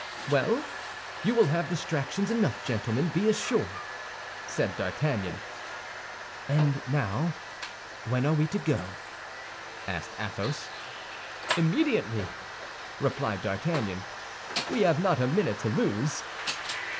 "Well, you will have distractions enough, gentlemen, be assured," said D'Artagnan. "And, now, when are we to go?" asked Athos. "Immediately," replied D'Artagnan; "we have not a minute to lose."